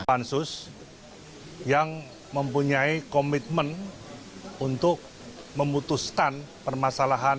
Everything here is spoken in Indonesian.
pansus yang mempunyai komitmen untuk memutuskan permasalahan